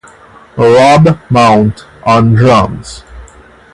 Rob Mount on Drums.